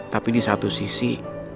tapi di satu sisi